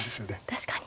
確かに。